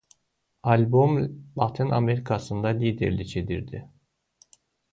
Albom Latın Amerikasında liderlik edirdi.